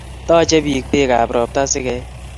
Taache biik beekab robta si keee